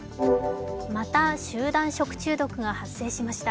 また集団食中毒が発生しました。